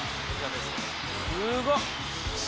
すごっ！